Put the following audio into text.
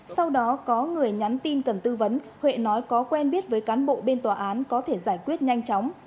sau đó có người nhắn tin cần tư vấn huệ nói có quen biết với cán bộ bên tòa án có thể giải quyết nhanh chóng